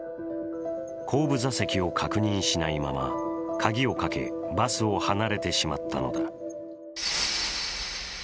後部座席を確認しないまま鍵をかけバスを離れてしまったのだ。